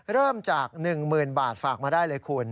เริ่มจาก๑๐๐๐บาทฝากมาได้เลยคุณ